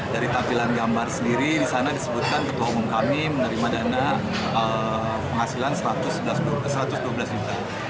dari tampilan gambar sendiri di sana disebutkan ketua umum kami menerima dana penghasilan satu ratus dua belas juta